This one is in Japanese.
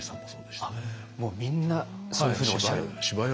もうみんなそういうふうにおっしゃる？